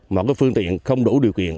mọi cái phương tiện không đủ điều kiện